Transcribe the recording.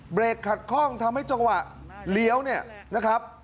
ขัดคล่องทำให้จังหวะเลี้ยวเนี่ยนะครับ